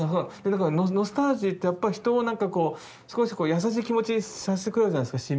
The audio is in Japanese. ノスタルジーってやっぱり人をなんかこう少し優しい気持ちにさせてくれるじゃないですか。